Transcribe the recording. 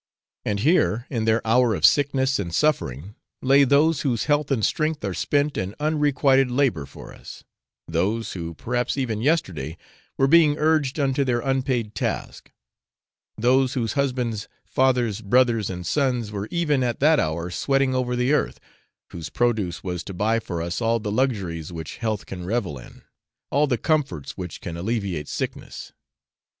And here, in their hour of sickness and suffering, lay those whose health and strength are spent in unrequited labour for us those who, perhaps even yesterday, were being urged onto their unpaid task those whose husbands, fathers, brothers and sons, were even at that hour sweating over the earth, whose produce was to buy for us all the luxuries which health can revel in, all the comforts which can alleviate sickness.